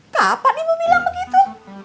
kapan ibu bilang begitu